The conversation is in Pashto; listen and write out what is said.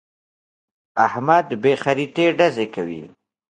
احمد بې خريطې ډزې کوي.